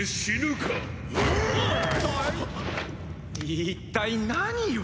一体何を！？